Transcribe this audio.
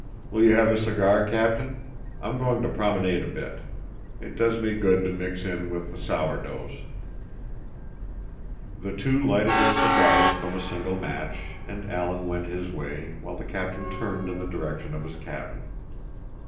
Will you have a cigar, Captain? I'm going to promenade a bit. It does me good to mix in with the sour doughs." The two lighted their cigars from a single match, and Alan went his way, while the captain turned in the direction of his cabin.